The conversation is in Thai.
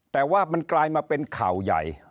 แต่ว่ามันกลายมาเป็นข่าวใหญ่